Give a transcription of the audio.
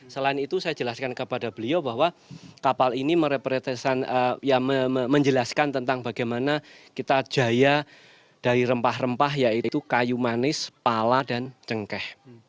selain itu saya jelaskan kepada beliau bahwa kapal ini menjelaskan tentang bagaimana kita jaya dari rempah rempah yaitu kayu manis pala dan cengkeh